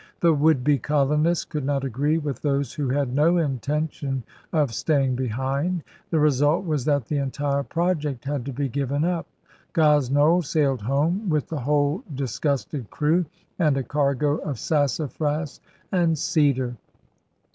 The would be colonists could not agree with those who had no intention of staying behind. The result was that the entire project had to be given up. Gosnold sailed home with the whole disgusted crew and a cargo of sassafras and cedar.